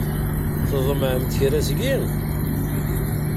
Tḍemɛemt kra seg-i?